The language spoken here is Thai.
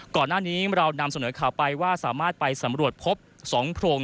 ก่อนหน้านี้เรานำเสนอข่าวไปว่าสามารถไปสำรวจพบ๒โพรง